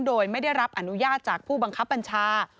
โดยไม่ได้รับอนุญาตจากผู้บังคับบัญชา